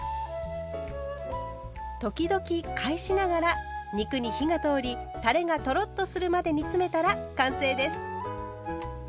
時々返しながら肉に火が通りたれがトロッとするまで煮詰めたら完成です。